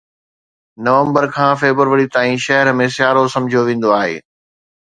نومبر کان فيبروري تائين شهر ۾ سيارو سمجهيو ويندو آهي